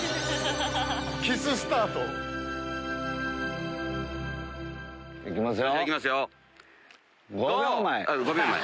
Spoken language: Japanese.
キススタート？いきますよ。